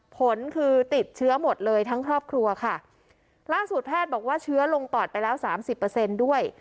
ผลคือติดเชื้อหมดเลยทั้งครอบครัวค่ะล่าสุดแพทย์บอกว่าเชื้อลงปอดไปแล้วสามสิบเปอร์เซ็นต์ด้วย